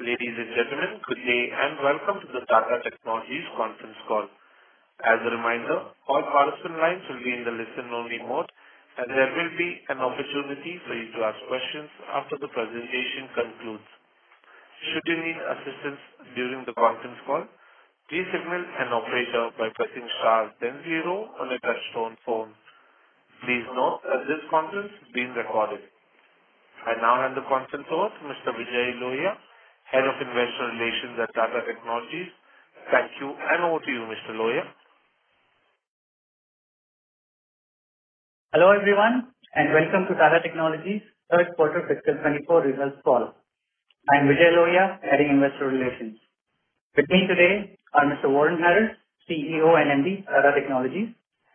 Ladies and gentlemen, good day, and welcome to the Tata Technologies conference call. As a reminder, all participant lines will be in the listen-only mode, and there will be an opportunity for you to ask questions after the presentation concludes. Should you need assistance during the conference call, please signal an operator by pressing star then zero on your touchtone phone. Please note that this conference is being recorded. I now hand the conference over to Mr. Vijay Lohiya, Head of Investor Relations at Tata Technologies. Thank you, and over to you, Mr. Lohiya. Hello, everyone, and welcome to Tata Technologies' third quarter fiscal 2024 results call. I'm Vijay Lohiya, Head of Investor Relations. With me today are Mr. Warren Harris, CEO and MD, Tata Technologies,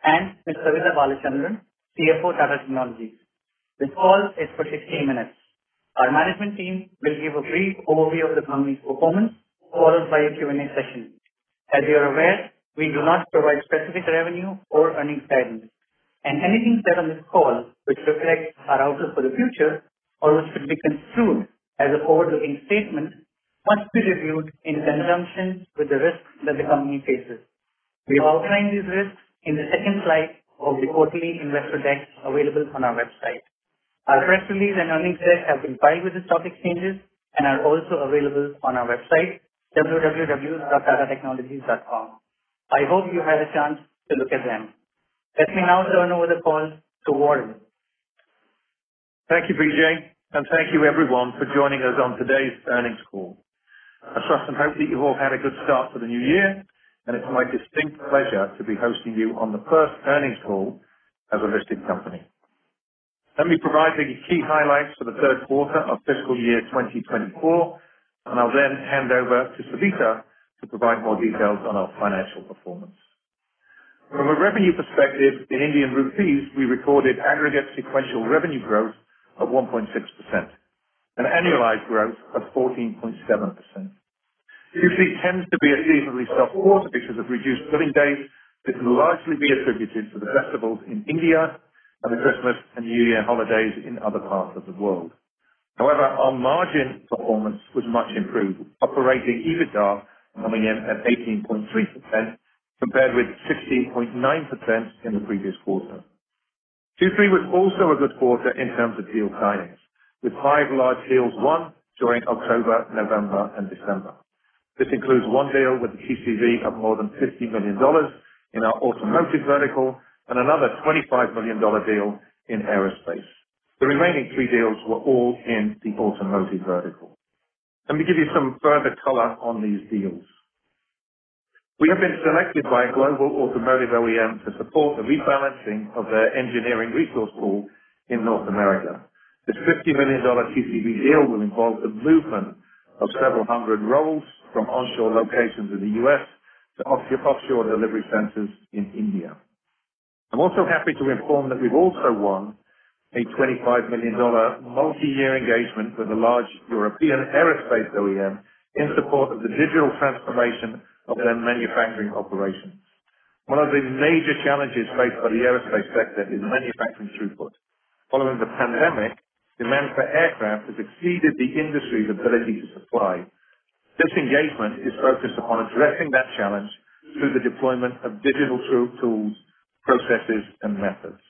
and Ms. Savitha Balachandran, CFO, Tata Technologies. This call is for 60 minutes. Our management team will give a brief overview of the company's performance, followed by a Q&A session. As you are aware, we do not provide specific revenue or earning guidance, and anything said on this call, which reflects our outlook for the future or should be construed as a forward-looking statement, must be reviewed in conjunction with the risks that the company faces. We outline these risks in the second slide of the quarterly investor deck available on our website. Our press release and earnings there have been filed with the stock exchanges and are also available on our website, www.tatatechnologies.com. I hope you had a chance to look at them. Let me now turn over the call to Warren. Thank you, Vijay, and thank you everyone for joining us on today's earnings call. I trust and hope that you all had a good start to the new year, and it's my distinct pleasure to be hosting you on the first earnings call as a listed company. Let me provide the key highlights for the third quarter of fiscal year 2024, and I'll then hand over to Savita to provide more details on our financial performance. From a revenue perspective, in Indian rupees, we recorded aggregate sequential revenue growth of 1.6%, an annualized growth of 14.7%. Q3 tends to be a seasonally soft quarter because of reduced billing days, which can largely be attributed to the festivals in India and the Christmas and New Year holidays in other parts of the world. However, our margin performance was much improved, operating EBITDA coming in at 18.3%, compared with 16.9% in the previous quarter. Q3 was also a good quarter in terms of deal signings, with five large deals won during October, November, and December. This includes one deal with a TCV of more than $50 million in our automotive vertical and another $25 million dollar deal in aerospace. The remaining three deals were all in the automotive vertical. Let me give you some further color on these deals. We have been selected by a global automotive OEM to support the rebalancing of their engineering resource pool in North America. This $50 million dollar TCV deal will involve the movement of several hundred roles from onshore locations in the U.S. to offshore delivery centers in India. I'm also happy to inform that we've also won a $25 million multi-year engagement with a large European aerospace OEM in support of the digital transformation of their manufacturing operations. One of the major challenges faced by the aerospace sector is manufacturing throughput. Following the pandemic, demand for aircraft has exceeded the industry's ability to supply. This engagement is focused upon addressing that challenge through the deployment of digital tools, processes, and methods.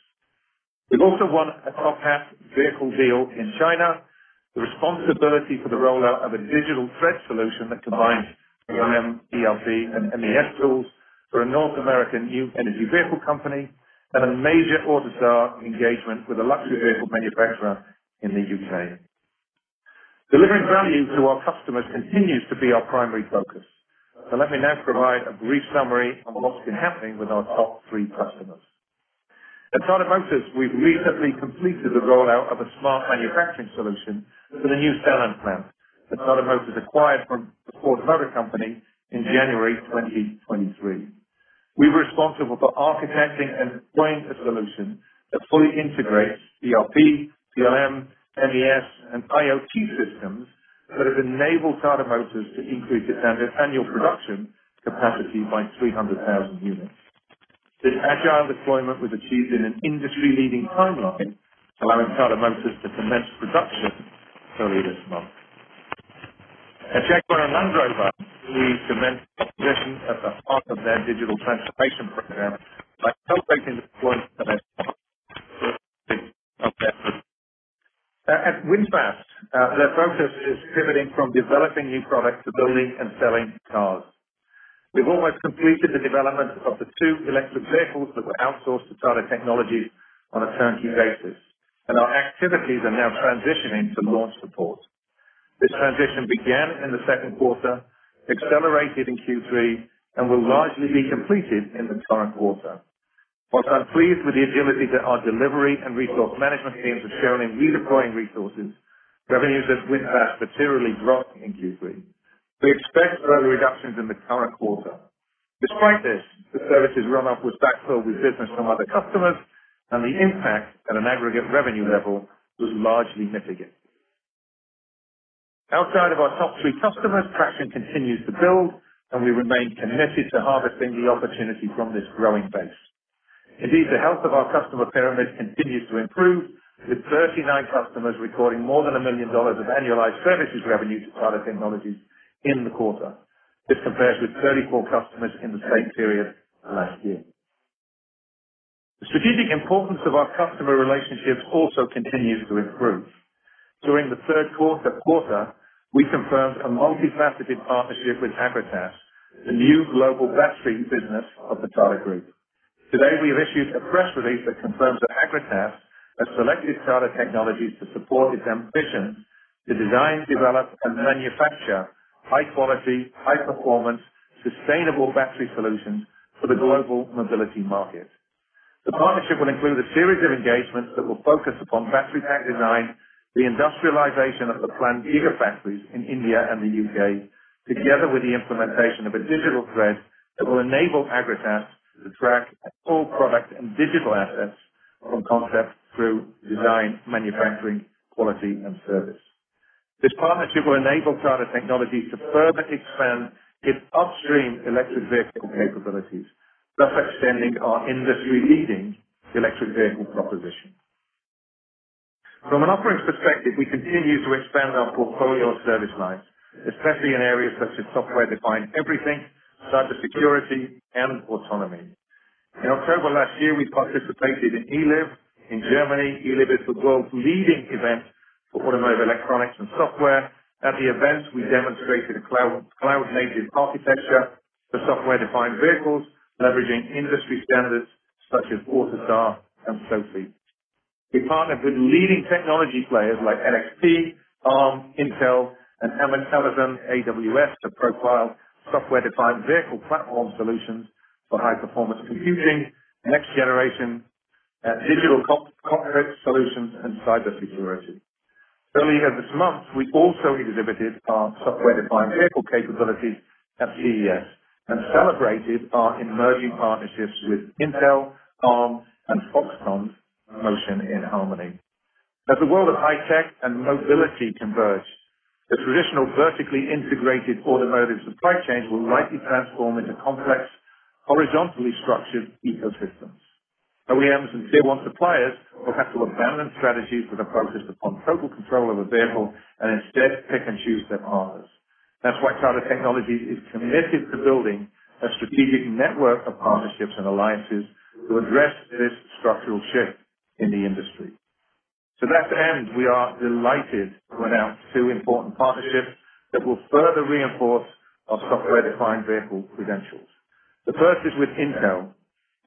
We've also won a top half vehicle deal in China, the responsibility for the rollout of a digital thread solution that combines in ERP and MES tools for a North American new energy vehicle company and a major AUTOSAR engagement with a luxury vehicle manufacturer in the U.K. Delivering value to our customers continues to be our primary focus. So let me now provide a brief summary on what's been happening with our top three customers. At Tata Motors, we've recently completed the rollout of a smart manufacturing solution for the new Sanand plant that Tata Motors acquired from Ford Motor Company in January 2023. We're responsible for architecting and deploying a solution that fully integrates ERP, CRM, MES, and IoT systems that have enabled Tata Motors to increase its annual production capacity by 300,000 units. This agile deployment was achieved in an industry-leading timeline, allowing Tata Motors to commence production early this month. At Jaguar Land Rover, we cemented position at the heart of their digital transformation program by helping deploy, at VinFast, their focus is pivoting from developing new products to building and selling cars. We've almost completed the development of the two electric vehicles that were outsourced to Tata Technologies on a turnkey basis, and our activities are now transitioning to launch support. This transition began in the second quarter, accelerated in Q3, and will largely be completed in the current quarter. While I'm pleased with the agility that our delivery and resource management teams have shown in redeploying resources, revenues at VinFast materially dropped in Q3. We expect further reductions in the current quarter. Despite this, the services run-up was backfilled with business from other customers, and the impact at an aggregate revenue level was largely mitigated. Outside of our top three customers, traction continues to build, and we remain committed to harvesting the opportunity from this growing base... Indeed, the health of our customer pyramid continues to improve, with 39 customers recording more than $1 million of annualized services revenue to Tata Technologies in the quarter. This compares with 34 customers in the same period last year. The strategic importance of our customer relationships also continues to improve. During the third quarter, we confirmed a multifaceted partnership with Agratas, the new global battery business of the Tata Group. Today, we have issued a press release that confirms that Agratas has selected Tata Technologies to support its ambition to design, develop, and manufacture high quality, high performance, sustainable battery solutions for the global mobility market. The partnership will include a series of engagements that will focus upon battery pack design, the industrialization of the planned gigafactories in India and the U.K., together with the implementation of a digital thread that will enable Agratas to track all products and digital assets from concept through design, manufacturing, quality, and service. This partnership will enable Tata Technologies to further expand its upstream electric vehicle capabilities, thus extending our industry-leading electric vehicle proposition. From an operating perspective, we continue to expand our portfolio of service lines, especially in areas such as software-defined everything, cybersecurity, and autonomy. In October last year, we participated in ELIV in Germany. ELIV is the world's leading event for automotive, electronics, and software. At the event, we demonstrated a cloud, cloud-native architecture for software-defined vehicles, leveraging industry standards such as AUTOSAR and SOAFEE. We partnered with leading technology players like NXP, ARM, Intel, and Amazon AWS, to profile software-defined vehicle platform solutions for high-performance computing, next generation, digital complex solutions, and cybersecurity. Earlier this month, we also exhibited our software-defined vehicle capabilities at CES and celebrated our emerging partnerships with Intel, ARM, and Foxconn's Motion in Harmony. As the world of high tech and mobility converge, the traditional vertically integrated automotive supply chains will likely transform into complex, horizontally structured ecosystems. OEMs and Tier 1 suppliers will have to abandon strategies that are focused upon total control of a vehicle and instead pick and choose their partners. That's why Tata Technologies is committed to building a strategic network of partnerships and alliances to address this structural shift in the industry. To that end, we are delighted to announce two important partnerships that will further reinforce our software-defined vehicle credentials. The first is with Intel.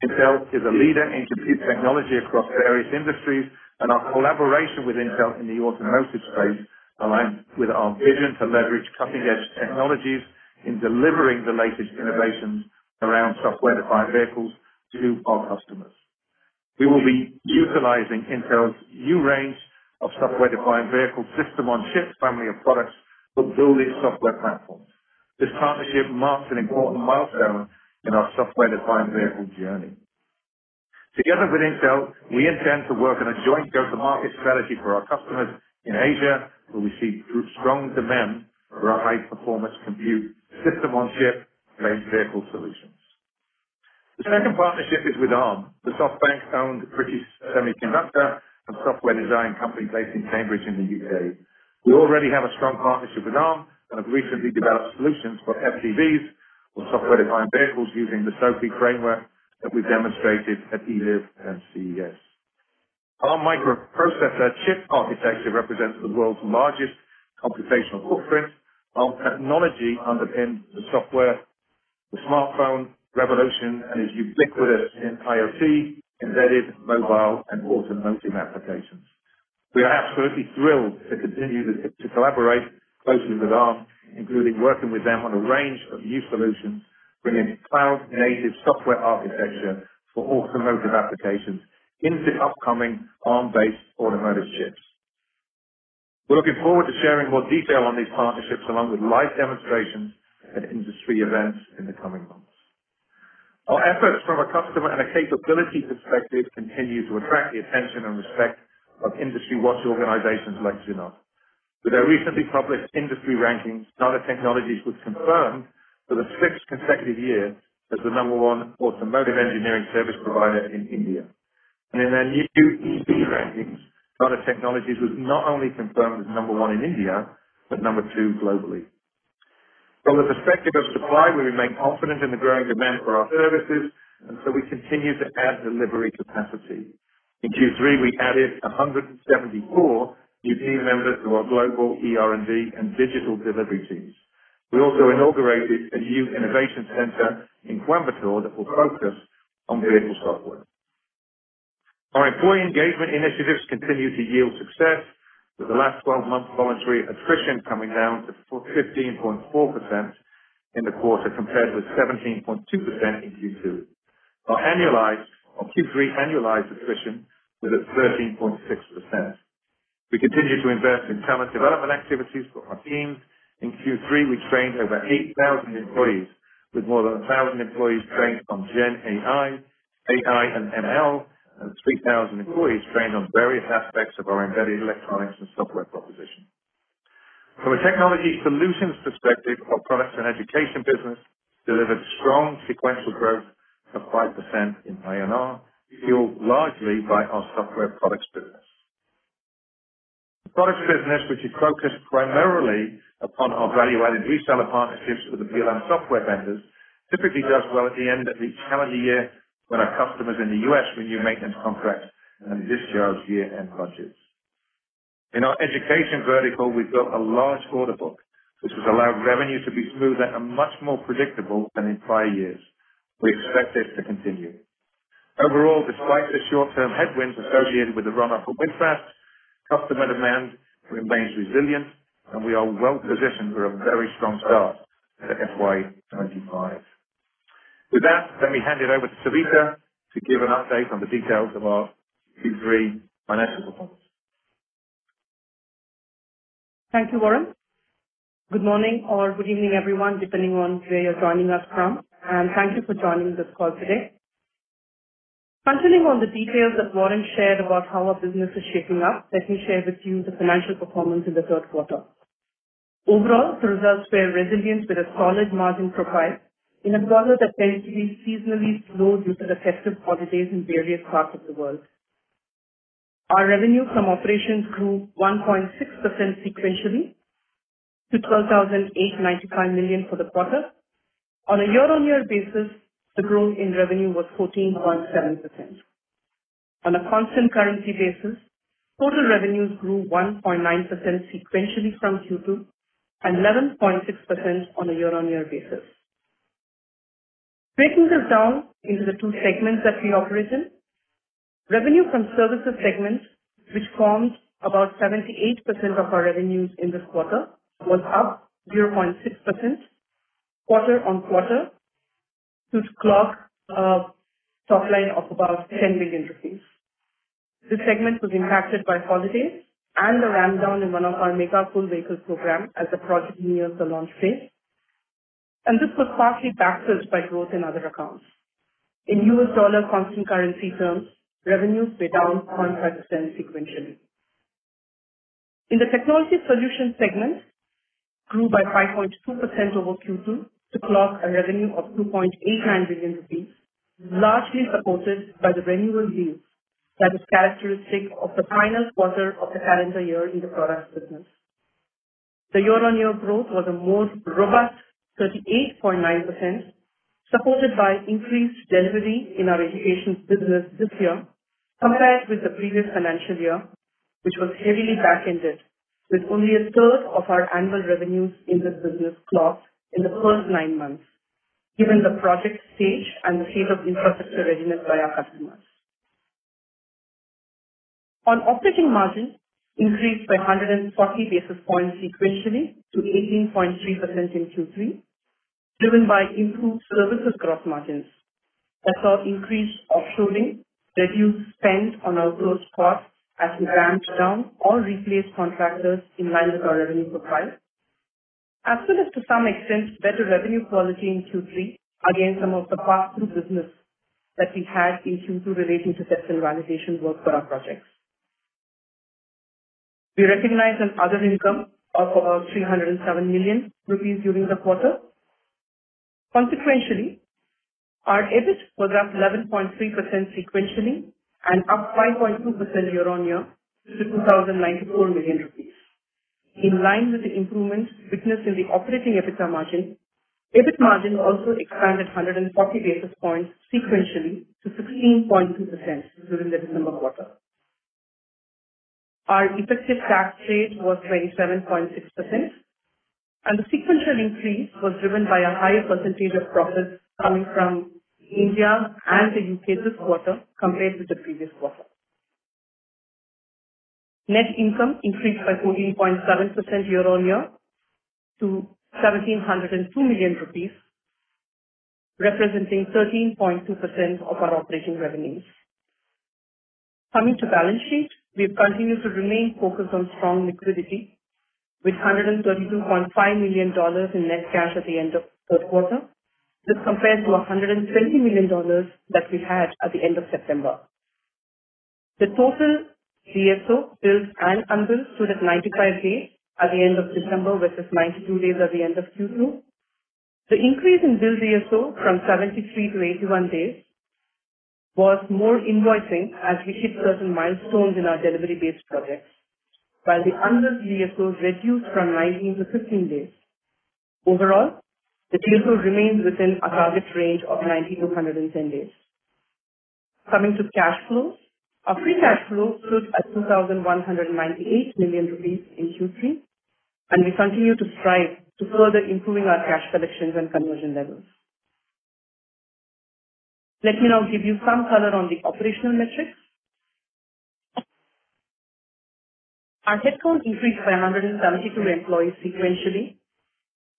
Intel is a leader in compute technology across various industries, and our collaboration with Intel in the automotive space aligns with our vision to leverage cutting-edge technologies in delivering the latest innovations around software-defined vehicles to our customers. We will be utilizing Intel's new range of software-defined vehicle system-on-chip family of products for building software platforms. This partnership marks an important milestone in our software-defined vehicle journey. Together with Intel, we intend to work on a joint go-to-market strategy for our customers in Asia, where we see strong demand for our high-performance compute system-on-chip range vehicle solutions. The second partnership is with Arm, the SoftBank-owned British semiconductor and software design company based in Cambridge in the U.K. We already have a strong partnership with Arm and have recently developed solutions for SDVs or software-defined vehicles, using the SOAFEE framework that we demonstrated at ELIV and CES. Arm microprocessor chip architecture represents the world's largest computational footprint, while technology underpins the software, the smartphone revolution, and is ubiquitous in IoT, embedded, mobile, and automotive applications. We are absolutely thrilled to continue to collaborate closely with Arm, including working with them on a range of new solutions, bringing cloud-native software architecture for automotive applications into upcoming Arm-based automotive chips. We're looking forward to sharing more detail on these partnerships along with live demonstrations at industry events in the coming months. Our efforts from a customer and a capability perspective continue to attract the attention and respect of industry watch organizations like Zinnov. With their recently published industry rankings, Tata Technologies was confirmed for the 6th consecutive year as the number 1 automotive engineering service provider in India. And in their new EV rankings, Tata Technologies was not only confirmed as number 1 in India, but number two globally. From the perspective of supply, we remain confident in the growing demand for our services, and so we continue to add delivery capacity. In Q3, we added 174 new team members to our global ER&D and digital delivery teams. We also inaugurated a new innovation center in Coimbatore that will focus on vehicle software. Our employee engagement initiatives continue to yield success, with the last 12-month voluntary attrition coming down to 15.4% in the quarter, compared with 17.2% in Q2. Our Q3 annualized attrition was at 13.6%. We continue to invest in talent development activities for our teams. In Q3, we trained over 8,000 employees, with more than 1,000 employees trained on Gen AI, AI, and ML, and 3,000 employees trained on various aspects of our embedded electronics and software proposition. From a technology solutions perspective, our products and education business delivered strong sequential growth of 5% in INR, fueled largely by our software products business. The products business, which is focused primarily upon our value-added reseller partnerships with the PLM software vendors, typically does well at the end of each calendar year when our customers in the U.S. renew maintenance contracts and this year's year-end budgets. In our education vertical, we've built a large order book, which has allowed revenue to be smoother and much more predictable than in prior years. We expect this to continue. Overall, despite the short-term headwinds associated with the run-up for VinFast, customer demand remains resilient, and we are well positioned for a very strong start in FY 2025. With that, let me hand it over to Savitha to give an update on the details of our Q3 financial performance. Thank you, Warren. Good morning or good evening, everyone, depending on where you're joining us from, and thank you for joining this call today. Continuing on the details that Warren shared about how our business is shaping up, let me share with you the financial performance in the third quarter. Overall, the results were resilient with a solid margin profile in a quarter that tends to be seasonally slow due to the festive holidays in various parts of the world. Our revenue from operations grew 1.6% sequentially to 12,895 million for the quarter. On a year-on-year basis, the growth in revenue was 14.7%. On a constant currency basis, total revenues grew 1.9% sequentially from Q2 and 11.6% on a year-on-year basis. Breaking this down into the two segments that we operate in, revenue from services segment, which forms about 78% of our revenues in this quarter, was up 0.6%, quarter-on-quarter, to clock a top line of about 10 billion rupees. This segment was impacted by holidays and the ramp down in one of our Major Full Vehicles program as the project nears the launch phase, and this was partly balanced by growth in other accounts. In U.S. dollar constant currency terms, revenues were down 1.7% sequentially. In the technology solutions segment, grew by 5.2% over Q2 to clock a revenue of 2.89 billion rupees, largely supported by the renewal deals that is characteristic of the final quarter of the calendar year in the products business. The year-on-year growth was a more robust 38.9%, supported by increased delivery in our education business this year, compared with the previous financial year, which was heavily back-ended, with only a third of our annual revenues in this business clocked in the first 9 months, given the project stage and state of infrastructure readiness by our customers. Our operating margins increased by 140 basis points sequentially to 18.3% in Q3, driven by improved services gross margins. That saw increased offshoring, reduced spend on our growth path as we ramped down or replaced contractors in line with our revenue profile. As well as, to some extent, better revenue quality in Q3, against some of the pass-through business that we've had in Q2 relating to certain realization work for our projects. We recognized other income of about 307 million rupees during the quarter. Consequentially, our EBIT was up 11.3% sequentially and up 5.2% year-on-year to 2,094 million rupees. In line with the improvements witnessed in the operating EBITDA margin, EBIT margin also expanded 140 basis points sequentially to 16.2% during the December quarter. Our effective tax rate was 27.6%, and the sequential increase was driven by a higher percentage of profits coming from India and the U.K. this quarter, compared with the previous quarter. Net income increased by 14.7% year-on-year to INR 1,702 million, representing 13.2% of our operating revenues. Coming to balance sheet, we have continued to remain focused on strong liquidity, with $132.5 million in net cash at the end of the third quarter. This compares to $120 million that we had at the end of September. The total DSO, bills and unbilled, stood at 95 days at the end of December, versus 92 days at the end of Q2. The increase in bill DSO from 73-81 days was more invoicing as we hit certain milestones in our delivery-based projects, while the unbilled DSO reduced from 19-15 days. Overall, the DSO remains within our target range of 90-110 days. Coming to cash flows, our free cash flow stood at 2,198 million rupees in Q3, and we continue to strive to further improving our cash collections and conversion levels. Let me now give you some color on the operational metrics. Our headcount increased by 172 employees sequentially.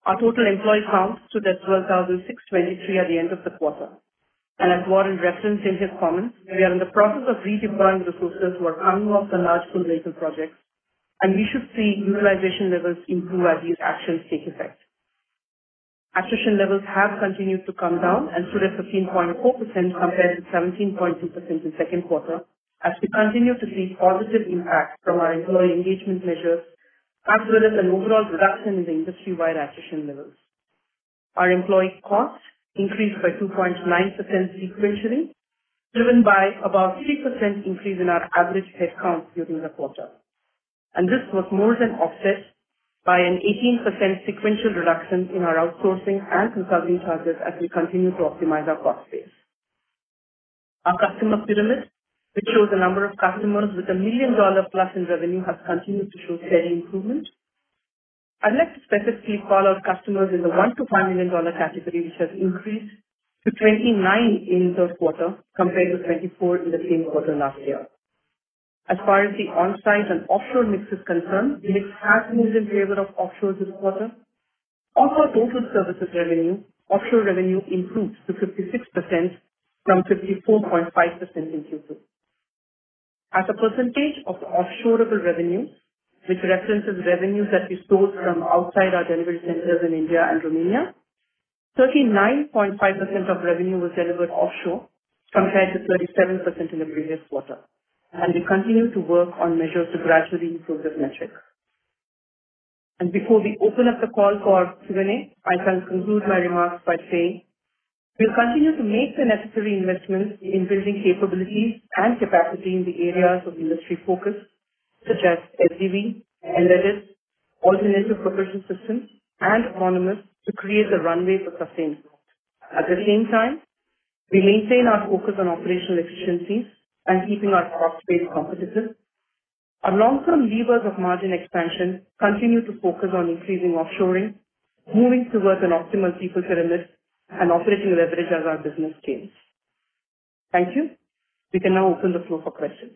Our total employee count stood at 12,623 at the end of the quarter. And as Warren referenced in his comments, we are in the process of redeploying resources who are coming off the large full vehicle projects, and we should see utilization levels improve as these actions take effect. Attrition levels have continued to come down and stood at 13.4% compared to 17.2% in second quarter, as we continue to see positive impact from our employee engagement measures, as well as an overall reduction in the industry-wide attrition levels. Our employee costs increased by 2.9% sequentially, driven by about 3% increase in our average headcount during the quarter. And this was more than offset by an 18% sequential reduction in our outsourcing and consulting charges as we continue to optimize our cost base. Our customer pyramid, which shows the number of customers with $1 million plus in revenue, has continued to show steady improvement. I'd like to specifically call out customers in the $1-$5 million category, which has increased to 29 in third quarter compared to 24 in the same quarter last year. As far as the on-site and offshore mix is concerned, the mix has moved in favor of offshore this quarter. Of our total services revenue, offshore revenue improved to 56% from 54.5% in Q2. As a percentage of the offshore of the revenue, which references revenues that we sourced from outside our delivery centers in India and Romania, 39.5% of revenue was delivered offshore, compared to 37% in the previous quarter. We continue to work on measures to gradually improve this metric. Before we open up the call for Q&A, I can conclude my remarks by saying, we'll continue to make the necessary investments in building capabilities and capacity in the areas of industry focus, such as SDVs, EDs, alternative propulsion systems, and autonomous to create a runway for sustained growth. At the same time, we maintain our focus on operational efficiencies and keeping our cost base competitive. Our long-term levers of margin expansion continue to focus on increasing offshoring, moving towards an optimal people pyramid and operating leverage as our business scales. Thank you. We can now open the floor for questions.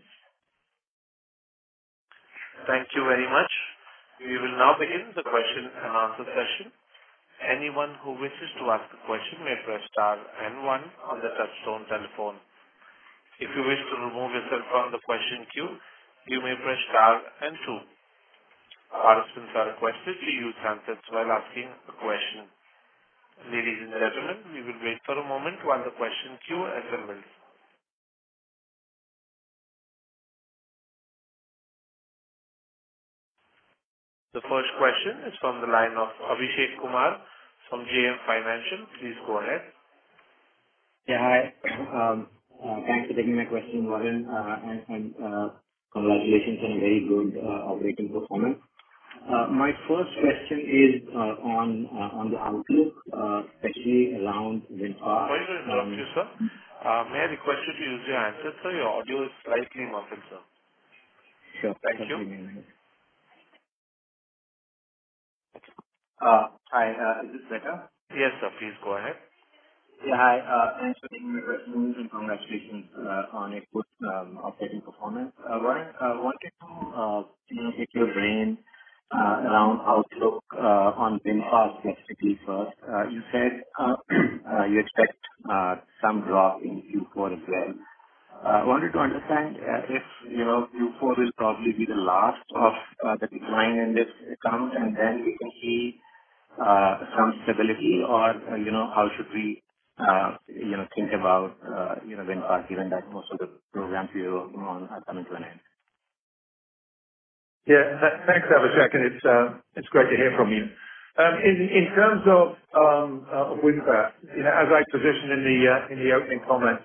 Thank you very much. We will now begin the question and answer session. Anyone who wishes to ask a question may press star and one on the touchtone telephone. If you wish to remove yourself from the question queue, you may press star and two. Participants are requested to use handsets while asking a question. Ladies and gentlemen, we will wait for a moment while the question queue assembles. The first question is from the line of Abhishek Kumar from JM Financial. Please go ahead. Yeah, hi. Thanks for taking my question, Warren. And congratulations on a very good operating performance. My first question is on the outlook, especially around VinFast- Sorry to interrupt you, sir. May I request you to use your handset, sir? Your audio is slightly muffled, sir. Sure. Thank you. Hi, is this better? Yes, sir. Please go ahead. Yeah, hi, thanks for taking my question, and congratulations on a good operating performance. Warren, I wanted to you know, pick your brain around outlook on VinFast specifically first. You said you expect some drop in Q4 as well. I wanted to understand if you know, Q4 will probably be the last of the decline in this account, and then we can see some stability or you know, how should we you know, think about you know, when given that most of the programs you're working on are coming to an end? Yeah, thanks, Abhishek, and it's great to hear from you. In terms of VinFast, you know, as I positioned in the opening comments,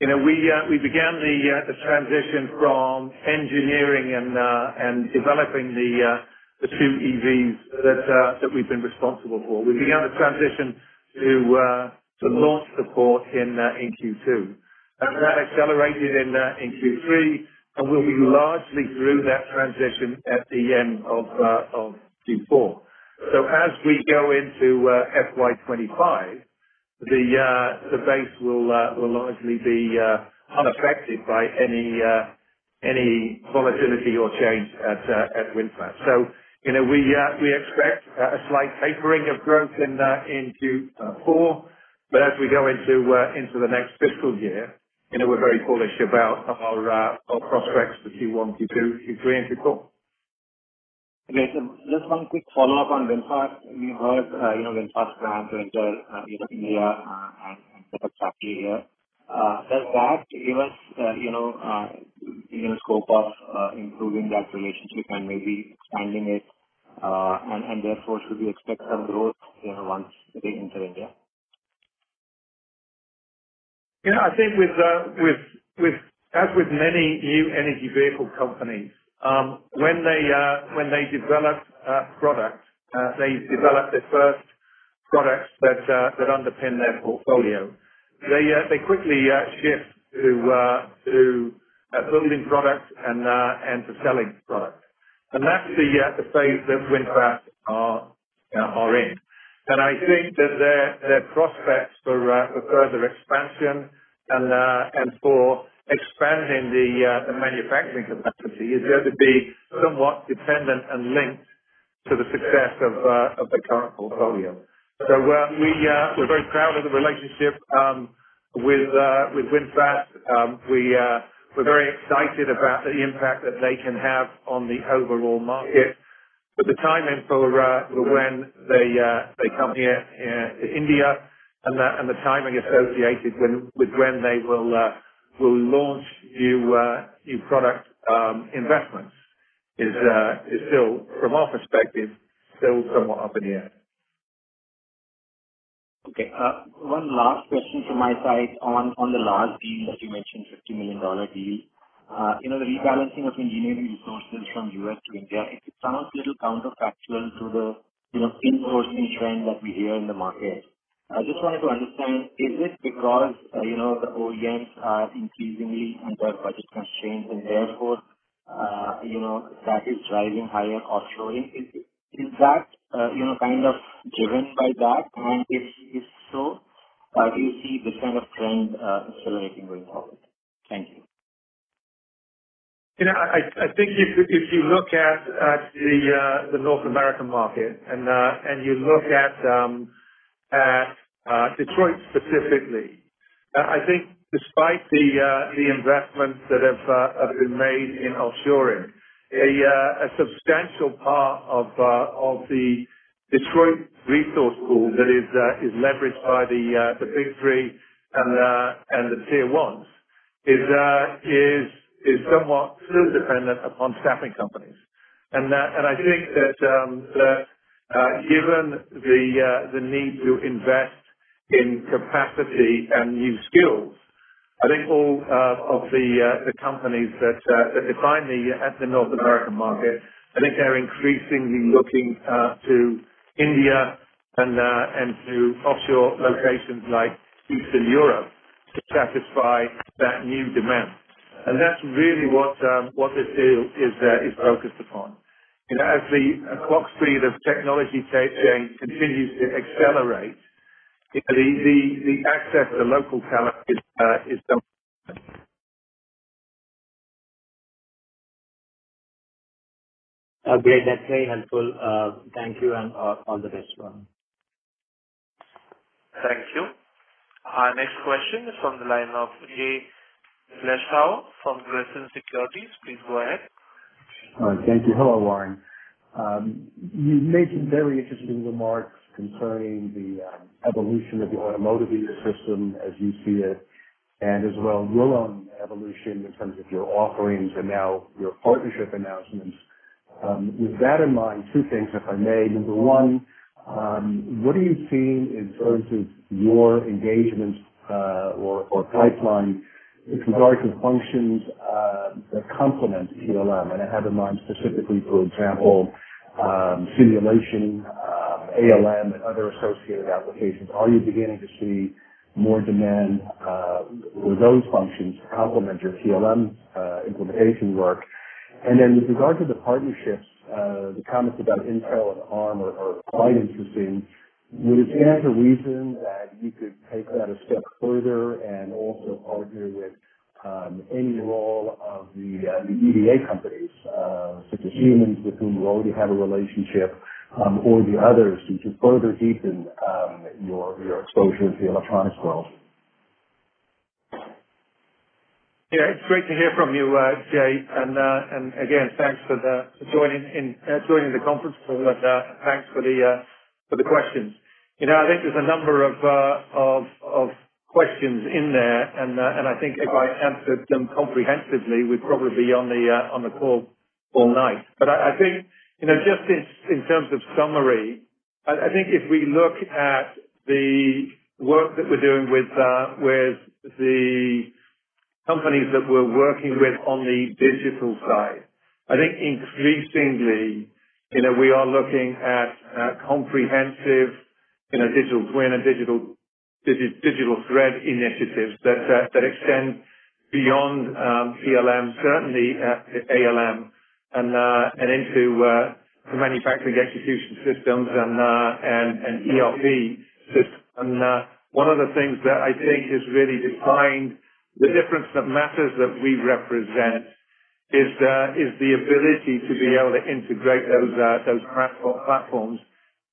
you know, we began the transition from engineering and developing the two EVs that we've been responsible for. We began the transition to launch support in Q2. And that accelerated in Q3, and we'll be largely through that transition at the end of Q4. So as we go into FY 2025, the base will largely be unaffected by any volatility or change at VinFast. So, you know, we, we expect, a slight tapering of growth in, in Q4, but as we go into, into the next fiscal year, you know, we're very bullish about our, our prospects for Q1, Q2, Q3, and Q4. Great. So just one quick follow-up on VinFast. We heard, you know, VinFast's plan to enter into India, and, and set up shop here. Does that give us, you know, you know, scope of, improving that relationship and maybe expanding it, and, and therefore, should we expect some growth, you know, once they enter India? You know, I think as with many new energy vehicle companies, when they develop a product, they develop the first products that underpin their portfolio. They quickly shift to building products and to selling products. And that's the phase that VinFast are in. And I think that their prospects for further expansion and for expanding the manufacturing capacity is going to be somewhat dependent and linked to the success of the current portfolio. So, we're very proud of the relationship with VinFast. We're very excited about the impact that they can have on the overall market. But the timing for when they come here in India and the timing associated with when they will launch new product investments is still from our perspective still somewhat up in the air. Okay. One last question from my side on the large deal that you mentioned, $50 million deal. You know, the rebalancing of engineering resources from U.S. to India, it sounds a little counterfactual to the, you know, insourcing trend that we hear in the market. I just wanted to understand, is it because, you know, the OEMs are increasingly under budget constraints, and therefore, you know, that is driving higher offshoring? Is that, you know, kind of driven by that? And if so, do you see this kind of trend accelerating going forward? Thank you. You know, I think if you look at the North American market and you look at Detroit specifically, I think despite the investments that have been made in offshoring, a substantial part of the Detroit resource pool that is leveraged by the big three and the tier ones is somewhat still dependent upon staffing companies. And I think that the need to invest in capacity and new skills, I think all of the companies that are finally at the North American market, I think they're increasingly looking to India and to offshore locations like Eastern Europe to satisfy that new demand. That's really what this deal is focused on. You know, as the clock speed of technology takes and continues to accelerate, the access to local talent is somewhat. Okay. That's very helpful. Thank you and all the best, Warren. Thank you. Our next question is from the line of Jayesh Gandhi from Ganthi Securities. Please go ahead. Thank you. Hello, Warren. You made some very interesting remarks concerning the evolution of the automotive ecosystem as you see it, and as well, your own evolution in terms of your offerings and now your partnership announcements. With that in mind, two things, if I may. Number one, what are you seeing in terms of your engagements or pipeline with regard to functions that complement PLM? And I have in mind specifically, for example, simulation, ALM and other associated applications. Are you beginning to see more demand with those functions complement your PLM implementation work? And then with regard to the partnerships, the comments about Intel and Arm are quite interesting. Would it stand to reason that you could take that a step further and also partner with any role of the EDA companies, such as Siemens, with whom you already have a relationship, or the others to further deepen your exposure to the electronics world? Yeah. It's great to hear from you, Jay, and again, thanks for joining in, joining the conference call and thanks for the questions. You know, I think there's a number of questions in there, and I think if I answered them comprehensively, we'd probably be on the call all night. But I think, you know, just in terms of summary, I think if we look at the work that we're doing with the companies that we're working with on the digital side, I think increasingly, you know, we are looking at comprehensive digital twin and digital thread initiatives that extend beyond PLM, certainly, ALM, and into manufacturing execution systems and ERP systems. One of the things that I think has really defined the difference of matters that we represent is the ability to be able to integrate those platforms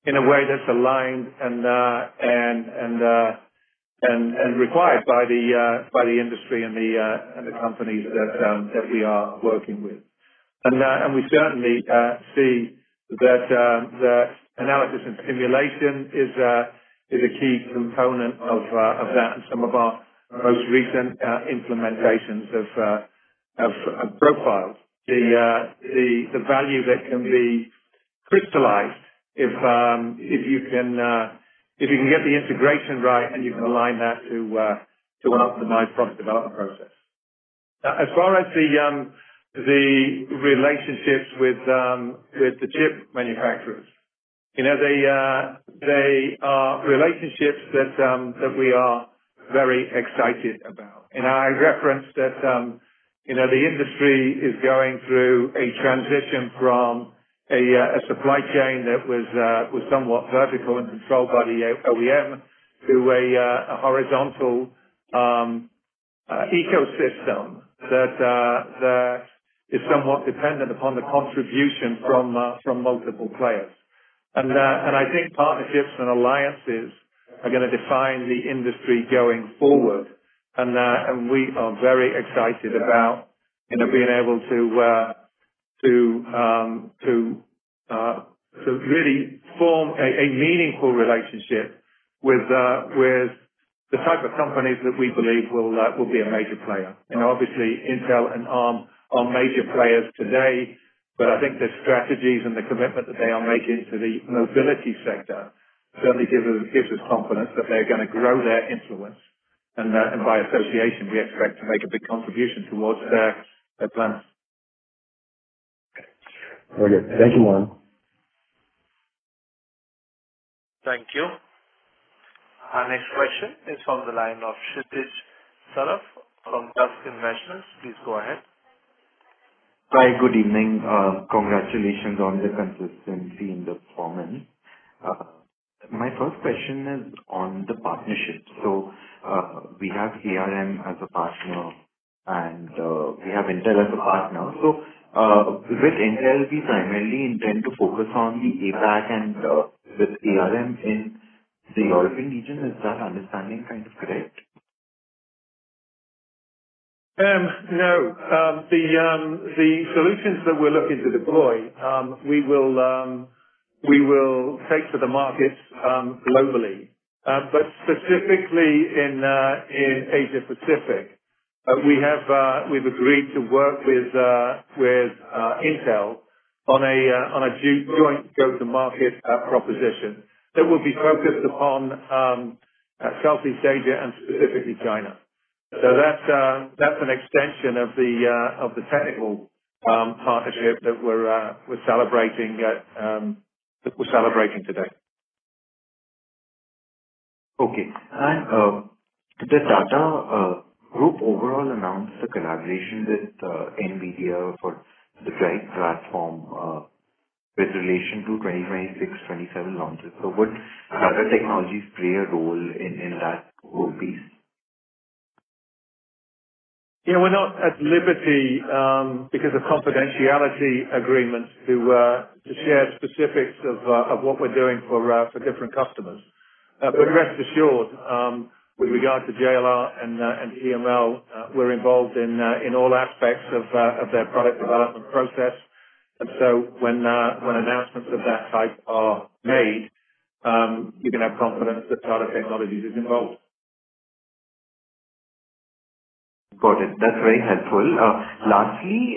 in a way that's aligned and required by the industry and the companies that we are working with. And we certainly see that the analysis and simulation is a key component of that in some of our most recent implementations of profiles. The value that can be crystallized if you can get the integration right and you can align that to an optimized product development process. As far as the relationships with the chip manufacturers, you know, they are relationships that we are very excited about. And I referenced that, you know, the industry is going through a transition from a supply chain that was somewhat vertical and controlled by the OEM to a horizontal ecosystem that is somewhat dependent upon the contribution from multiple players. And I think partnerships and alliances are gonna define the industry going forward. And we are very excited about, you know, being able to really form a meaningful relationship with the type of companies that we believe will be a major player. Obviously, Intel and Arm are major players today, but I think the strategies and the commitment that they are making to the mobility sector certainly gives us, gives us confidence that they're gonna grow their influence, and, and by association, we expect to make a big contribution towards their, their plans. Okay. Thank you, Warren. Thank you. Our next question is from the line of Kshitij Saraf from Tusk Investments. Please go ahead. Hi, good evening. Congratulations on the consistency and the performance. My first question is on the partnerships. So, we have ARM as a partner and, we have Intel as a partner. So, with Intel, we primarily intend to focus on the APAC and, with ARM in the European region. Is that understanding kind of correct? No. The solutions that we're looking to deploy, we will take to the market globally. But specifically in Asia Pacific, we have agreed to work with Intel on a joint go-to-market proposition that will be focused upon Southeast Asia and specifically China. So that's an extension of the technical partnership that we're celebrating today. Okay. And, the Tata Group overall announced the collaboration with NVIDIA for the DRIVE platform, with relation to 2026, 2027 launches. So would other technologies play a role in that whole piece? Yeah. We're not at liberty, because of confidentiality agreements to share specifics of what we're doing for different customers. But rest assured, with regard to JLR and EML, we're involved in all aspects of their product development process. And so when announcements of that type are made, you can have confidence that Tata Technologies is involved. Got it. That's very helpful. Lastly,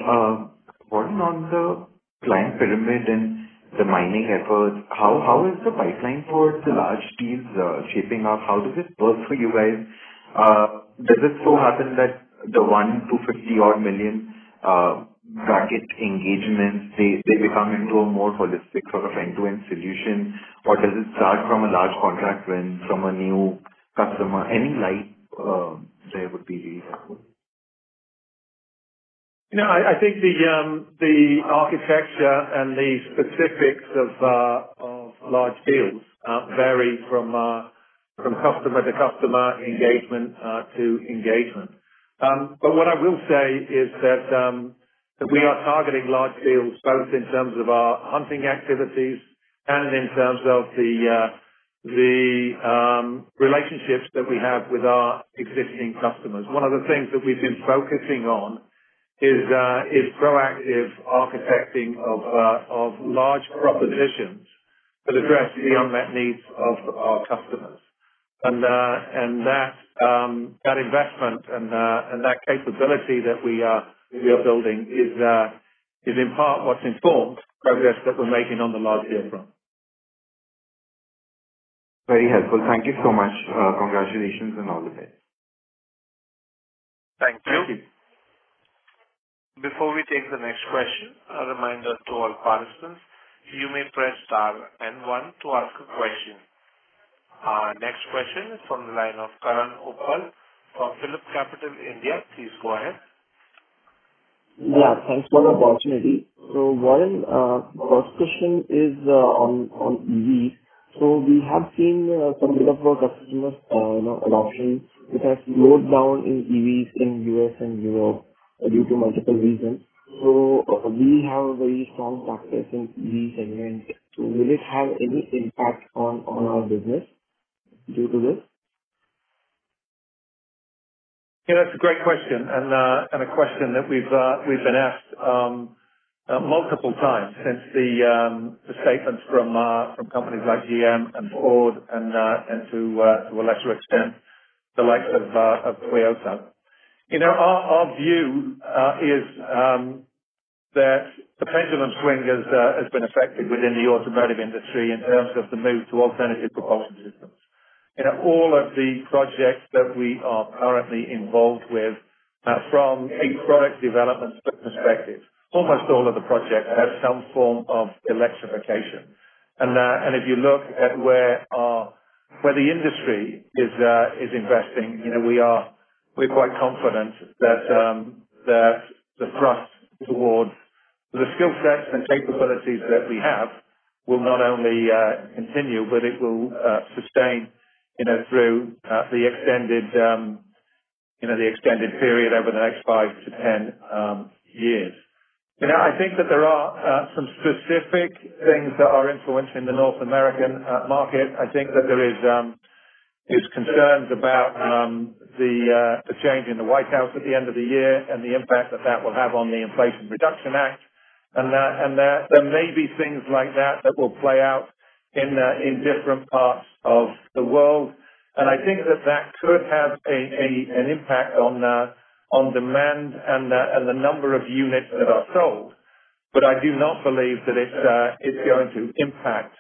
one on the client pyramid and the mining efforts, how is the pipeline for the large deals shaping up? How does it work for you guys? Does it so happen that the $1-$50-odd million bracket engagements, they become into a more holistic sort of end-to-end solution, or does it start from a large contract when from a new customer? Any light there would be really helpful. You know, I think the architecture and the specifics of large deals vary from customer to customer, engagement to engagement. But what I will say is that we are targeting large deals, both in terms of our hunting activities and in terms of the relationships that we have with our existing customers. One of the things that we've been focusing on is proactive architecting of large propositions that address the unmet needs of our customers. And that investment and that capability that we are building is in part what's informed progress that we're making on the large deal front. Very helpful. Thank you so much. Congratulations and all the best. Thank you. Thank you. Before we take the next question, a reminder to all participants, you may press star and one to ask a question. Our next question is from the line of Karan Uppal from PhillipCapital India. Please go ahead. Yeah, thanks for the opportunity. So Warren, first question is on EV. So we have seen some of our customers, you know, adoption, which has slowed down in EVs in U.S. and Europe due to multiple reasons. So we have a very strong presence in EV segment. So will it have any impact on our business due to this? Yeah, that's a great question, and a question that we've been asked multiple times since the statements from companies like GM and Ford and to a lesser extent, the likes of Toyota. You know, our view is that the pendulum swing has been affected within the automotive industry in terms of the move to alternative propulsion systems. In all of the projects that we are currently involved with from a product development perspective, almost all of the projects have some form of electrification. If you look at where the industry is investing, you know, we are-- we're quite confident that the thrust towards-... The skill sets and capabilities that we have will not only continue, but it will sustain, you know, through the extended, you know, the extended period over the next five to 10 years. You know, I think that there are some specific things that are influencing the North American market. I think that there is, there's concerns about the change in the White House at the end of the year and the impact that that will have on the Inflation Reduction Act. And that, and that there may be things like that that will play out in different parts of the world. And I think that that could have an impact on demand and the number of units that are sold. But I do not believe that it's going to impact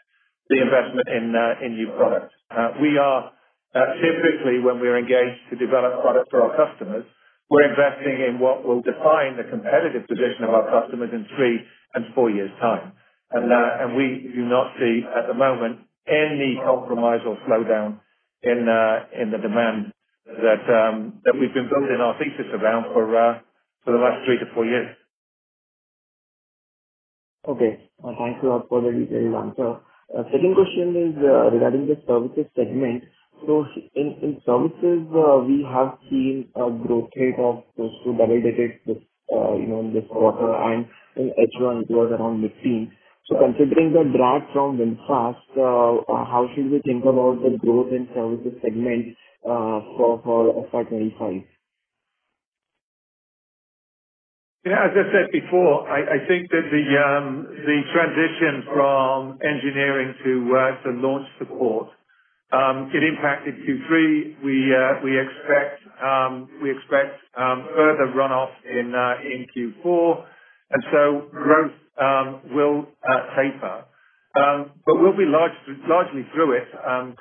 the investment in new products. We are typically, when we are engaged to develop products for our customers, investing in what will define the competitive position of our customers in three and four years' time. And we do not see, at the moment, any compromise or slowdown in the demand that we've been building our thesis around for the last three to four years. Okay. Thank you all for the detailed answer. Second question is, regarding the services segment. So in, in services, we have seen a growth rate of close to double digits with, you know, in this quarter and in H1 as well around mid-teen. So considering the drop from VinFast, how should we think about the growth in services segment, for, for FY 2025? Yeah, as I said before, I, I think that the transition from engineering to launch support, it impacted Q3. We expect further runoff in Q4, and so growth will taper. But we'll be largely through it,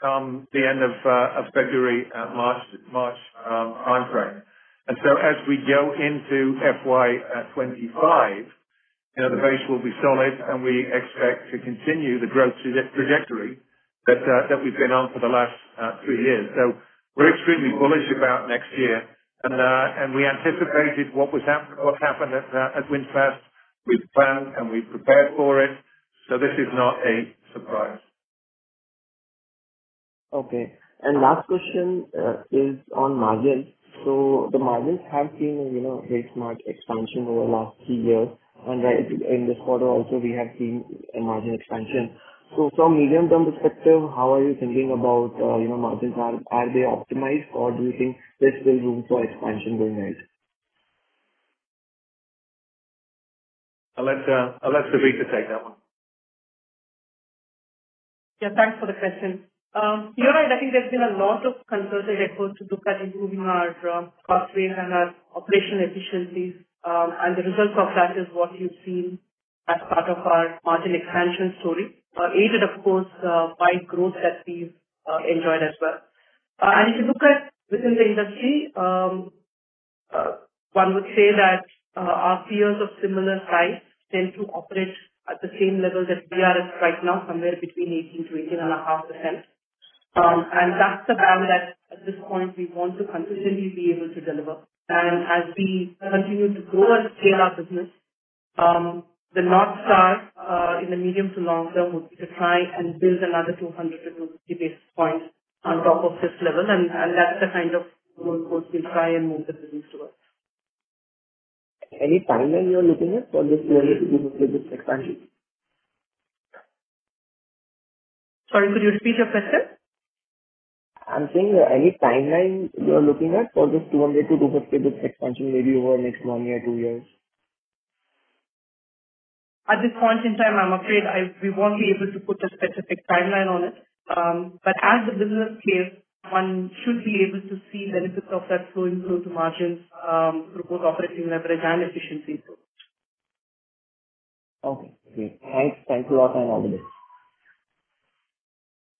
come the end of February, March, March timeframe. And so as we go into FY 2025, you know, the base will be solid, and we expect to continue the growth through this trajectory that we've been on for the last three years. So we're extremely bullish about next year, and we anticipated what happened at VinFast. We planned and we prepared for it, so this is not a surprise. Okay. And last question is on margins. So the margins have seen, you know, very smart expansion over the last three years, and right in this quarter also, we have seen a margin expansion. So from medium-term perspective, how are you thinking about, you know, margins? Are they optimized, or do you think there's still room for expansion going ahead? I'll let, I'll let Savita take that one. Yeah, thanks for the question. You know, I think there's been a lot of concerted efforts to look at improving our cost base and our operation efficiencies. And the result of that is what you've seen as part of our margin expansion story, aided of course by growth that we've enjoyed as well. And if you look at within the industry, one would say that our peers of similar size tend to operate at the same level that we are at right now, somewhere between 18%-18.5%. And that's the value that at this point we want to consistently be able to deliver. As we continue to grow and scale our business, the North Star, in the medium to long term, would be to try and build another 200-250 basis points on top of this level, and that's the kind of goal post we try and move the business towards. Any timeline you are looking at for this 200-250 expansion? Sorry, could you repeat your question? I'm saying any timeline you are looking at for this 200-250 expansion, maybe over the next one year, two years? At this point in time, I'm afraid we won't be able to put a specific timeline on it. But as the business scales, one should be able to see the benefits of that flowing through to margins, through both operating leverage and efficiency. Okay, great. Thanks. Thank you a lot for all this.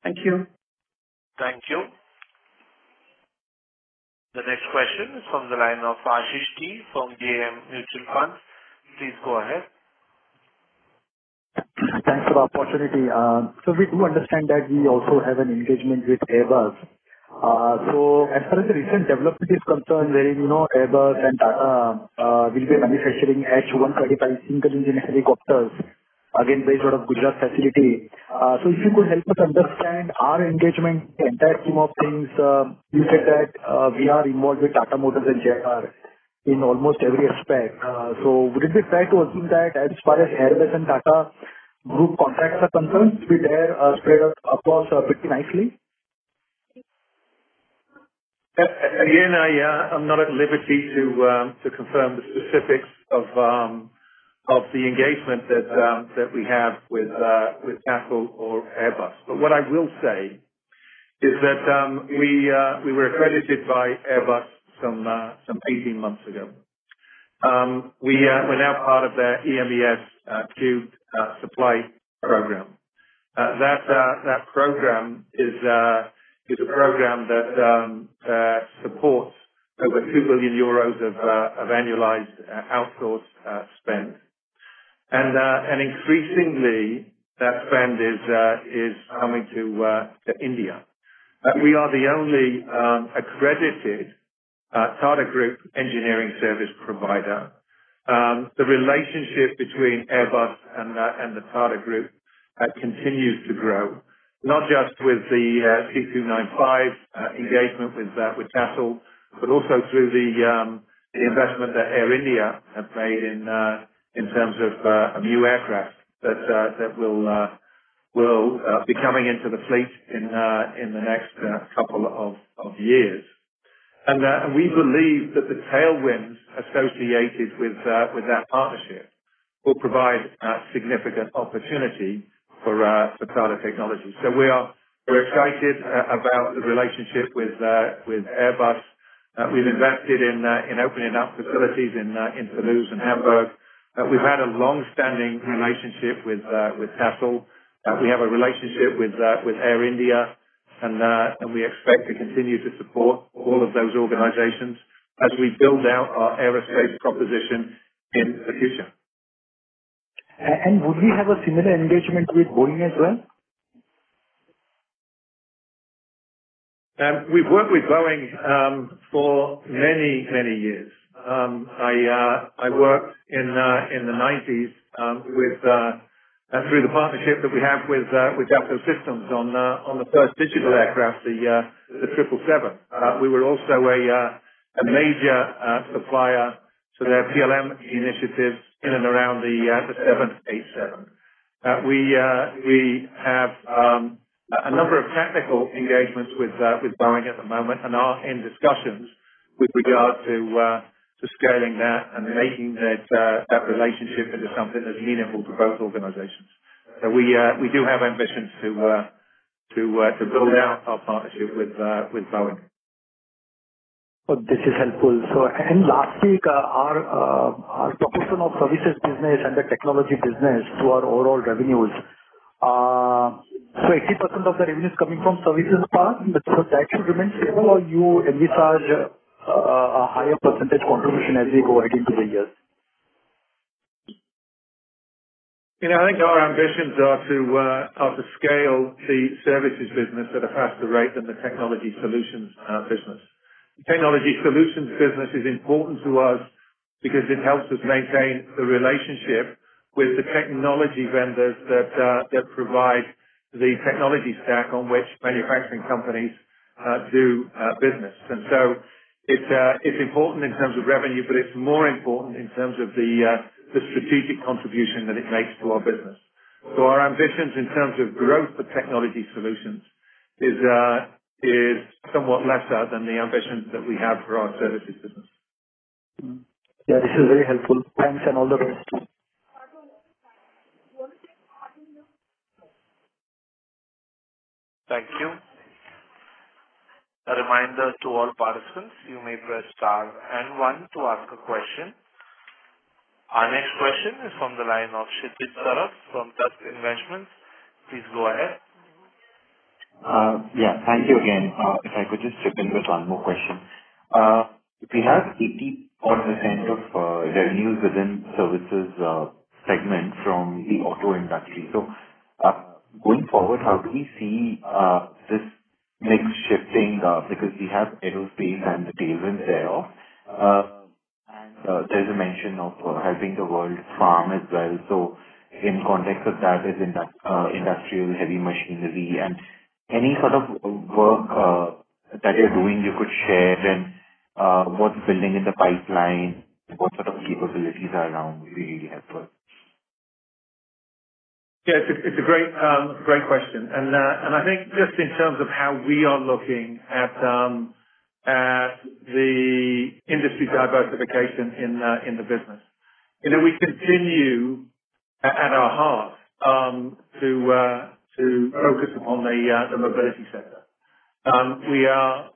Thank you. Thank you. The next question is from the line of Ashish T. from GAM Investments. Please go ahead. Thanks for the opportunity. So we do understand that we also have an engagement with Airbus. So as far as the recent development is concerned, where you know, Airbus and will be manufacturing H135 single-engine helicopters, again, based out of Gujarat facility. So if you could help us understand our engagement in that scheme of things? You said that we are involved with Tata Motors and Jaguar Land Rover in almost every aspect. So would it be fair to assume that as far as Airbus and Tata Group contracts are concerned, we are spread across pretty nicely? Again, I, I'm not at liberty to confirm the specifics of the engagement that we have with Tata or Airbus. But what I will say is that we were accredited by Airbus some 18 months ago. We're now part of their EMES3 supply program. That program is a program that supports over 2 billion euros of annualized outsourced spend. And increasingly, that spend is coming to India. We are the only accredited Tata Group engineering service provider. The relationship between Airbus and the Tata Group continues to grow, not just with the C295 engagement with TASL, but also through the investment that Air India have made in terms of a new aircraft that will be coming into the fleet in the next couple of years. We believe that the tailwinds associated with that partnership will provide a significant opportunity for Tata Technologies. So we're excited about the relationship with Airbus. We've invested in opening up facilities in Toulouse and Hamburg. We've had a long-standing relationship with TASL. We have a relationship with Air India, and we expect to continue to support all of those organizations as we build out our aerospace proposition in the future. Would we have a similar engagement with Boeing as well? We've worked with Boeing for many, many years. I worked in the 1990s through the partnership that we have with Dassault Systèmes on the first digital aircraft, the 777. We were also a major supplier to their PLM initiatives in and around the 1987. We have a number of tactical engagements with Boeing at the moment and are in discussions with regard to scaling that and making that relationship into something that's meaningful to both organizations. So we do have ambitions to build out our partnership with Boeing. Well, this is helpful. So and lastly, our proportion of services business and the technology business to our overall revenues. So 80% of the revenue is coming from services part, but does that actually remain stable or you envisage a higher percentage contribution as we go ahead into the years? You know, I think our ambitions are to scale the services business at a faster rate than the technology solutions business. The technology solutions business is important to us because it helps us maintain the relationship with the technology vendors that provide the technology stack on which manufacturing companies do business. And so it's important in terms of revenue, but it's more important in terms of the strategic contribution that it makes to our business. So our ambitions in terms of growth for technology solutions is somewhat lesser than the ambitions that we have for our services business. Hmm. Yeah, this is very helpful. Thanks and all the best. Thank you. A reminder to all participants, you may press star and one to ask a question. Our next question is from the line of Kshitij Saraf from Tusk Investments. Please go ahead. Yeah, thank you again. If I could just chip in with one more question. We have 80% of revenues within services segment from the auto industry. So, going forward, how do we see this mix shifting, because we have aerospace and the tailwind there, and there's a mention of helping the world farm as well. So in context of that, is industrial heavy machinery and any sort of work that you're doing you could share, and what's building in the pipeline? What sort of capabilities are around will be helpful. Yeah, it's a, it's a great, great question. And, and I think just in terms of how we are looking at, at the industry diversification in, in the business, you know, we continue at our heart, to, to focus upon the, the mobility sector. We are,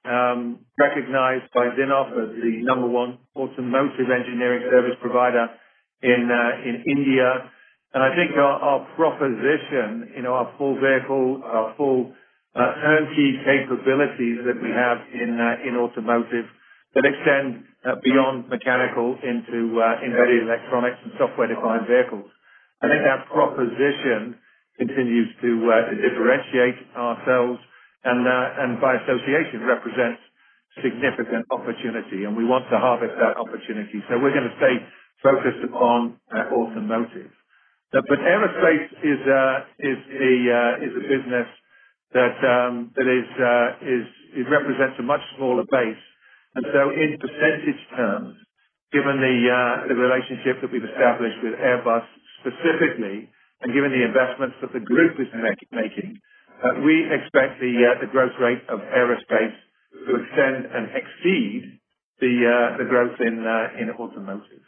recognized by Zinnov as the number one automotive engineering service provider in, in India. And I think our, our proposition in our full vehicle, our full, turnkey capabilities that we have in, in automotive, that extend, beyond mechanical into, embedded electronics and software-defined vehicles. I think our proposition continues to, to differentiate ourselves and, and by association, represents significant opportunity, and we want to harvest that opportunity. So we're gonna stay focused upon, automotive. But aerospace is a business that it represents a much smaller base. And so in percentage terms, given the relationship that we've established with Airbus specifically, and given the investments that the group is making, we expect the growth rate of aerospace to extend and exceed the growth in automotive.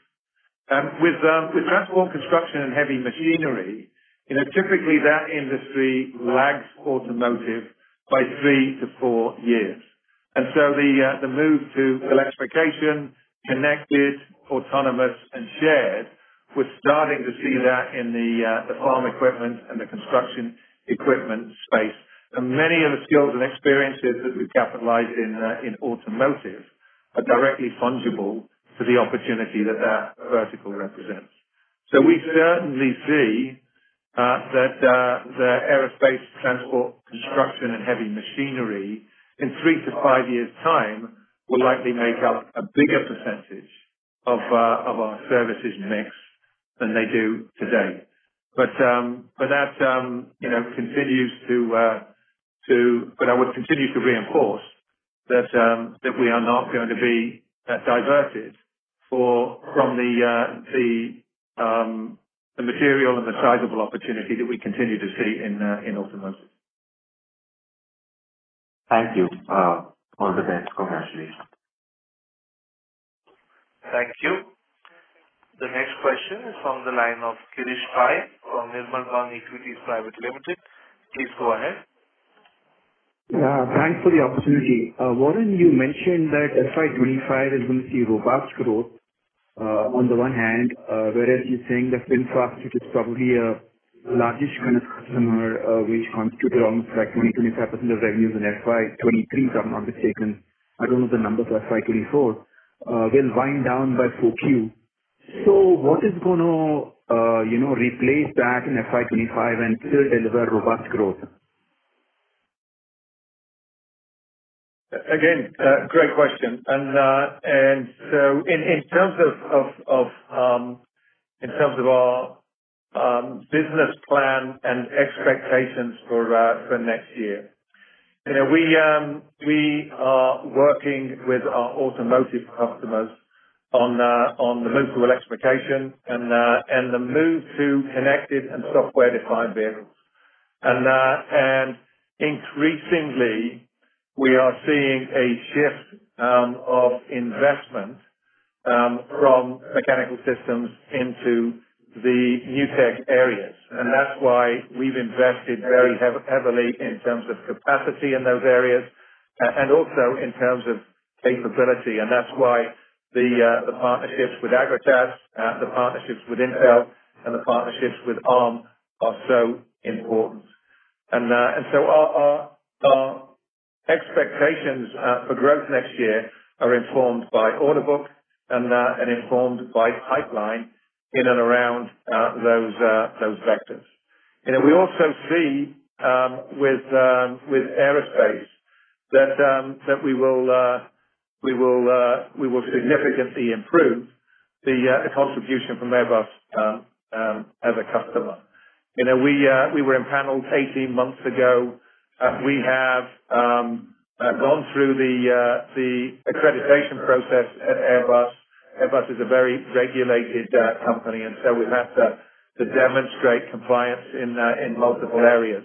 With farm and construction and heavy machinery, you know, typically that industry lags automotive by three to four years. And so the move to electrification, connected, autonomous, and shared, we're starting to see that in the farm equipment and the construction equipment space. And many of the skills and experiences that we capitalize in automotive, are directly fungible to the opportunity that that vertical represents. So we certainly see... That the aerospace, transport, construction, and heavy machinery in three to five years' time will likely make up a bigger percentage of our services mix than they do today. But that, you know, continues to—but I would continue to reinforce that we are not going to be diverted from the material and the sizable opportunity that we continue to see in automotive. Thank you. All the best. Congratulations. Thank you. The next question is from the line of Girish Pai from Nirmal Bang Equities Private Limited. Please go ahead. Thanks for the opportunity. Warren, you mentioned that FY 2025 is going to see robust growth, on the one hand, whereas you're saying that VinFast, which is probably a largish kind of customer, which constituted almost like 20%-25% of revenues in FY 2023, if I'm not mistaken. I don't know the numbers for FY 2024. We're winding down by Q4. So what is gonna, you know, replace that in FY 2025 and still deliver robust growth? Again, great question. And so in terms of our business plan and expectations for next year, you know, we are working with our automotive customers on the move to electrification and the move to connected and software-defined vehicles. And increasingly, we are seeing a shift of investment from mechanical systems into the new tech areas. And that's why we've invested very heavily in terms of capacity in those areas and also in terms of capability. And that's why the partnerships with Agratas, the partnerships with Intel, and the partnerships with Arm are so important. Our expectations for growth next year are informed by order book, and informed by pipeline in and around those vectors. You know, we also see with aerospace that we will significantly improve the contribution from Airbus as a customer. You know, we were empaneled 18 months ago. We have gone through the accreditation process at Airbus. Airbus is a very regulated company, and so we've had to demonstrate compliance in multiple areas.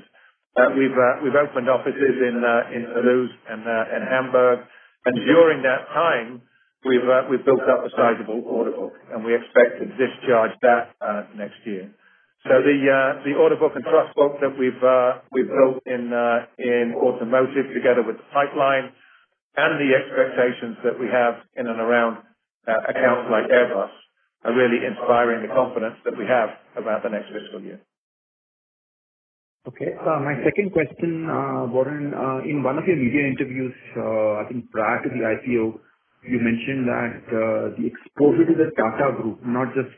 We've opened offices in Toulouse and in Hamburg. And during that time, we've built up a sizable order book, and we expect to discharge that next year. So the, the order book and trust book that we've, we've built in, in automotive together with the pipeline and the expectations that we have in and around, accounts like Airbus, are really inspiring the confidence that we have about the next fiscal year. Okay. My second question, Warren, in one of your media interviews, I think prior to the IPO, you mentioned that the exposure to the Tata Group, not just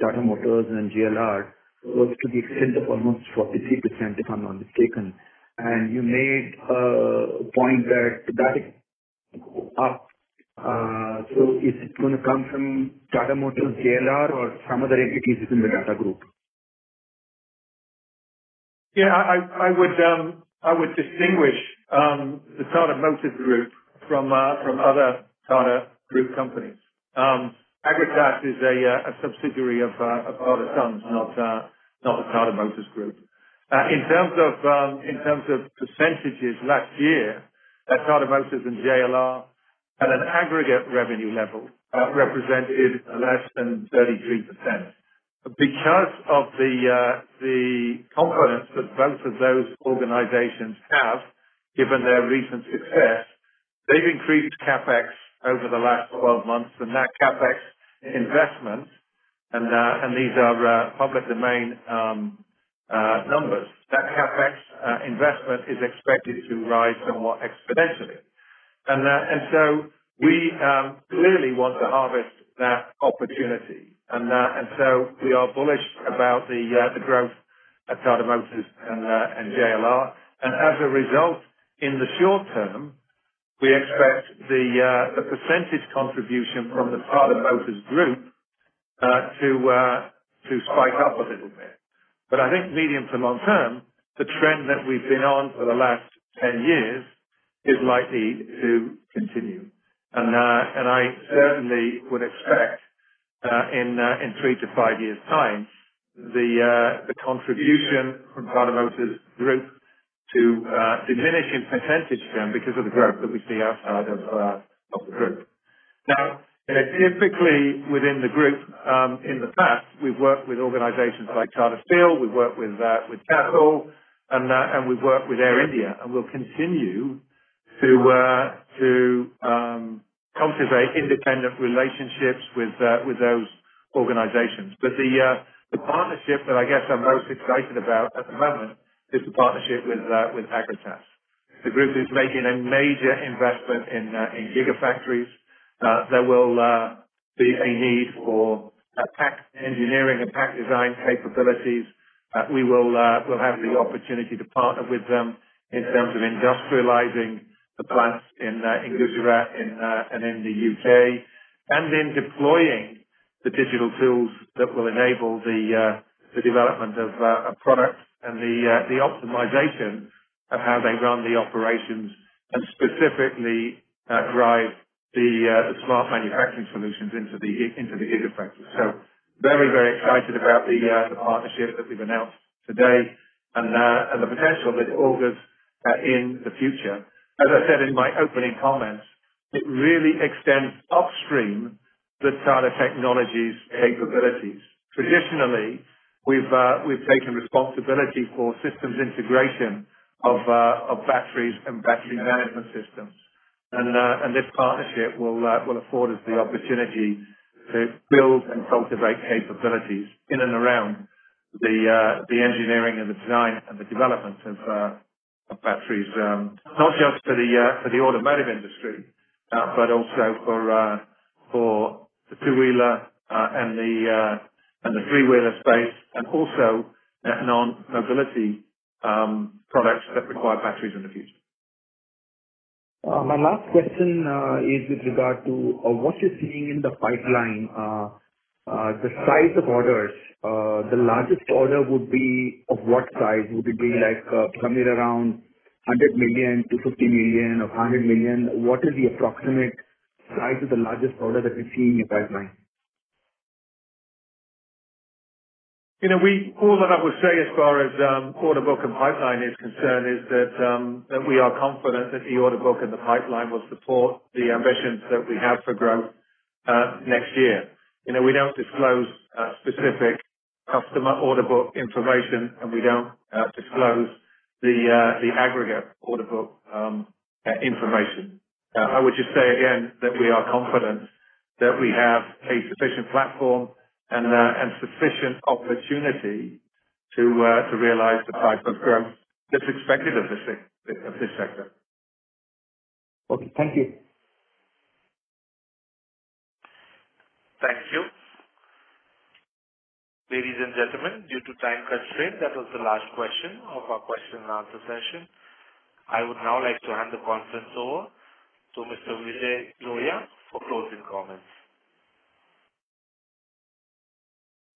Tata Motors and JLR, was to the extent of almost 43%, if I'm not mistaken. And you made a point that that is up. So is it gonna come from Tata Motors, JLR or some other entities in the Tata Group? Yeah, I would distinguish the Tata Motors Group from other Tata Group companies. Agratas is a subsidiary of Tata Sons, not the Tata Motors Group. In terms of percentages last year, Tata Motors and JLR at an aggregate revenue level represented less than 33%. Because of the confidence that both of those organizations have, given their recent success, they've increased CapEx over the last 12 months, and that CapEx investment, and these are public domain numbers. That CapEx investment is expected to rise somewhat exponentially. And so we clearly want to harvest that opportunity, and so we are bullish about the growth at Tata Motors and JLR. As a result, in the short term, we expect the percentage contribution from the Tata Motors Group to spike up a little bit. But I think medium to long term, the trend that we've been on for the last 10 years is likely to continue. And I certainly would expect in three to five years' time the contribution from Tata Motors Group to diminish in percentage terms because of the growth that we see outside of the group. Now, you know, typically within the group, in the past, we've worked with organizations like Tata Steel, we've worked with Tata, and we've worked with Air India, and we'll continue to cultivate independent relationships with those organizations. But the, the partnership that I guess I'm most excited about at the moment, is the partnership with, with Agratas. The group is making a major investment in, in gigafactories. There will, be a need for a pack engineering and pack design capabilities. We will, we'll have the opportunity to partner with them in terms of industrializing the plants in, in Gujarat, in, and in the U.K. And in deploying the digital tools that will enable the, the development of, a product and the, the optimization of how they run the operations, and specifically, drive the, the smart manufacturing solutions into the, into the gigafactory. So very, very excited about the, the partnership that we've announced today, and, and the potential that it augurs, in the future. As I said in my opening comments, it really extends upstream the Tata Technologies capabilities. Traditionally, we've, we've taken responsibility for systems integration of, of batteries and battery management systems. And, and this partnership will, will afford us the opportunity to build and cultivate capabilities in and around the, the engineering and the design and the development of, of batteries. Not just for the, for the automotive industry, but also for, for the two-wheeler, and the, and the three-wheeler space, and also non-mobility, products that require batteries in the future. My last question is with regard to what you're seeing in the pipeline. The size of orders. The largest order would be of what size? Would it be like somewhere around 100 million-50 million or 100 million? What is the approximate size of the largest order that you're seeing in your pipeline? You know, all that I would say as far as order book and pipeline is concerned, is that we are confident that the order book and the pipeline will support the ambitions that we have for growth next year. You know, we don't disclose specific customer order book information, and we don't disclose the aggregate order book information. I would just say again, that we are confident that we have a sufficient platform and sufficient opportunity to realize the type of growth that's expected of this sector. Okay. Thank you. Thank you. Ladies and gentlemen, due to time constraints, that was the last question of our question and answer session. I would now like to hand the conference over to Mr. Vijay Lohiya for closing comments.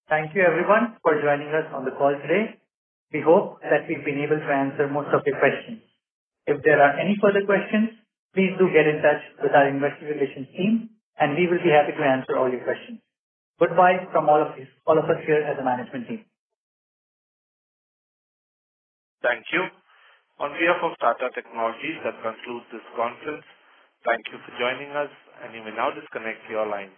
Thank you, everyone, for joining us on the call today. We hope that we've been able to answer most of your questions. If there are any further questions, please do get in touch with our investor relations team, and we will be happy to answer all your questions. Goodbye from all of us, all of us here at the management team. Thank you. On behalf of Tata Technologies, that concludes this conference. Thank you for joining us, and you may now disconnect your line.